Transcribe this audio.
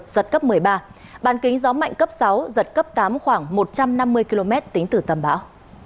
giật cấp một mươi ba bàn kính gió mạnh cấp sáu giật cấp tám khoảng một trăm năm mươi km tính từ tâm bão